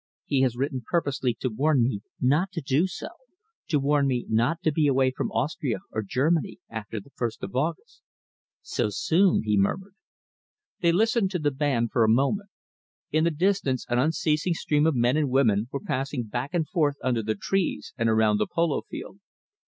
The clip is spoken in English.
He has written purposely to warn me not to do so, to warn me not to be away from Austria or Germany after the first of August." "So soon!" he murmured. They listened to the band for a moment. In the distance, an unceasing stream of men and women were passing back and forth under the trees and around the polo field.